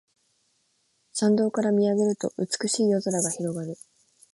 山道から見上げると美しい夜空が広がる